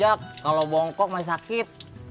udah lama sejak kalo bongkok masih sakit